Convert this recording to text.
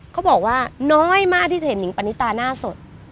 เขาบอกว่าน้อยมากที่จะเห็นนิงปณิตาหน้าสด